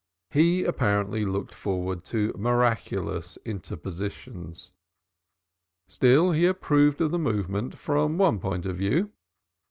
He apparently looked forward to miraculous interpositions. Still he approved of the movement from one point of view.